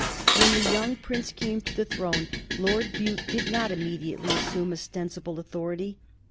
When the young Prince came to the throne Lord Bute did not immediately assume ostensible authority.